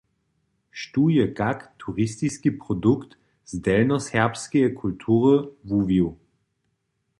Štó je kak turistiski produkt z delnjoserbskeje kultury wuwił?